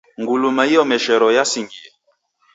Nguluma iomeshero yasingie